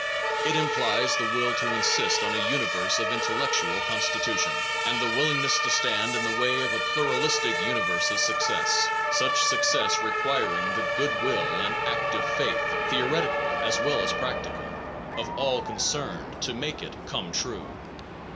It implies the will to insist on a universe of intellectu alist constitution, and the willingness to stand in the way of a pluralistic universe s success, such success requiring the good will and active faith, APPENDIX theoretical as well as practical, of all concerned, to make it come true.